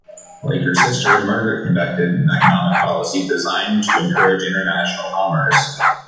Like her sister, Margaret conducted an economic policy designed to encourage international commerce.